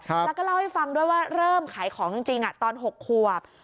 แล้วก็เล่าให้ฟังด้วยว่าเริ่มขายของจริงตอน๖ขวบ